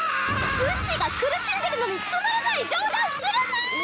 うちが苦しんでるのにつまらない冗談するな！